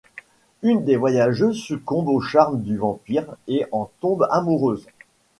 Une des voyageuses succombe au charme du vampire et en tombe amoureuse...